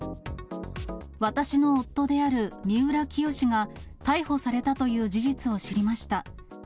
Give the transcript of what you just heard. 私の夫である三浦清志が、逮捕されたという事実を知りました。